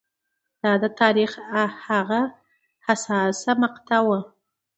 دا د تاریخ هغه حساسه مقطعه وه